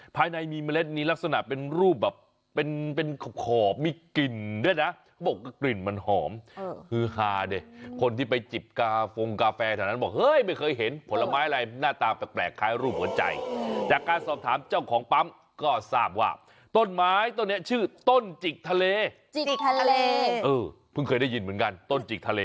ภายในมีเมล็ดนี้ลักษณะเป็นรูปแบบเป็นเป็นขอบมีกลิ่นด้วยนะบอกว่ากลิ่นมันหอมฮือฮาดิคนที่ไปจิบกาฟงกาแฟแถวนั้นบอกเฮ้ยไม่เคยเห็นผลไม้อะไรหน้าตาแปลกคล้ายรูปหัวใจจากการสอบถามเจ้าของปั๊มก็ทราบว่าต้นไม้ต้นนี้ชื่อต้นจิกทะเลจิกทะเลเออเพิ่งเคยได้ยินเหมือนกันต้นจิกทะเล